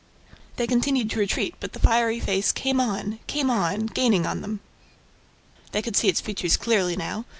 They continued to retreat, but the fiery face came on, came on, gaining on them. They could see its features clearly now.